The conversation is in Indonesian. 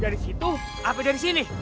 dari situ api dari sini